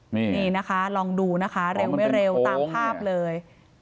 นี่นะคะลองดูนะคะเร็วไม่เร็วตามภาพเลย